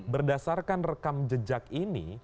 berdasarkan rekam jejak ini